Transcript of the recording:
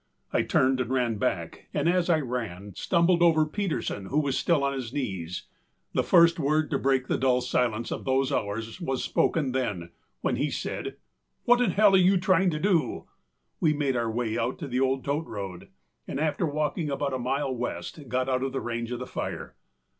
I turned and ran back, and as I ran, stumbled over Peterson, who was still on his knees. The first word to break the dull silence of those hours was spoken then, when he said, âWhat in hell are you trying to do?â We made our way out to the old tote road, and after walking about a mile west, got out of the range of the fire.